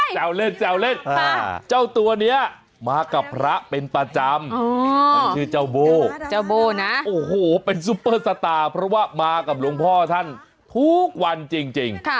แววเล่นแซวเล่นเจ้าตัวนี้มากับพระเป็นประจำท่านชื่อเจ้าโบ้เจ้าโบ้นะโอ้โหเป็นซุปเปอร์สตาร์เพราะว่ามากับหลวงพ่อท่านทุกวันจริง